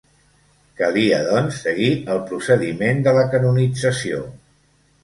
Calia, doncs, seguir el procediment de la canonització.